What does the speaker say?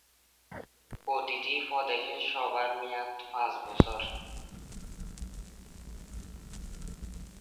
প্রতিটি প্রদেশ সভার মেয়াদ পাঁচ বছর।